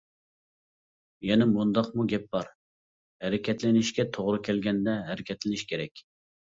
يەنە مۇنداقمۇ گەپ بار، ھەرىكەتلىنىشكە توغرا كەلگەندە ھەرىكەتلىنىش كېرەك.